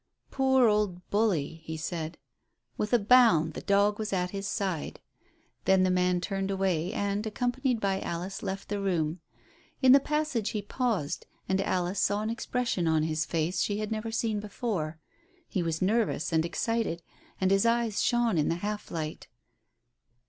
"Poor old Bully," he said. With a bound the dog was at his side. Then the man turned away, and, accompanied by Alice, left the room. In the passage he paused, and Alice saw an expression on his face she had never seen before. He was nervous and excited, and his eyes shone in the half light.